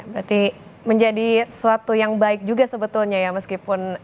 berarti menjadi suatu yang baik juga sebetulnya ya meskipun